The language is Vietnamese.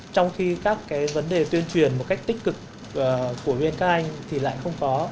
thì các cái vấn đề tuyên truyền một cách tích cực của bên các anh thì lại không có